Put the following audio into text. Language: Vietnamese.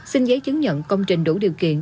xin giấy chứng nhận công trình đủ điều kiện